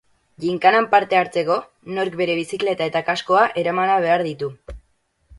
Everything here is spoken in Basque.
Ginkanan parte hartzeko, nork bere bizikleta eta kaskoa eramana behar ditu.